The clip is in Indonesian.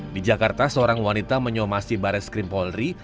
di jakarta seorang wanita menyomasi baris krim polri